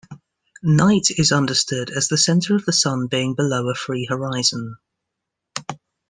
"Night" is understood as the center of the Sun being below a free horizon.